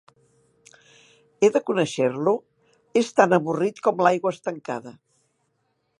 He de conèixer-lo? És tan avorrit com la l'aigua estancada.